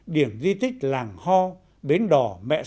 điểm di tích làng ho bến đỏ